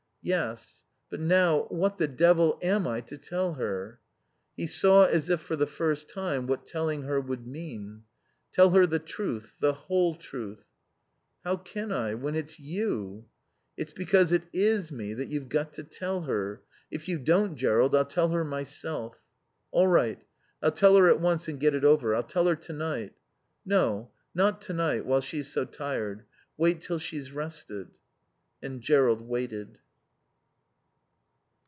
"Yes. But now what the devil am I to tell her?" He saw, as if for the first time, what telling her would mean. "Tell her the truth. The whole truth." "How can I when it's you?" "It's because it is me that you've got to tell her. If you don't, Jerrold, I'll tell her myself." "All right. I'll tell her at once and get it over. I'll tell her tonight." "No. Not tonight, while she's so tired. Wait till she's rested." And Jerrold waited.